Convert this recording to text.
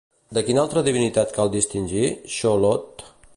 De quina altra divinitat cal distingir Xolotl?